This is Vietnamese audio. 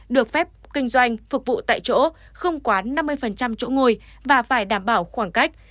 được phép kinh doanh phục vụ tại chỗ không quá năm mươi chỗ ngồi và phải đảm bảo khoảng cách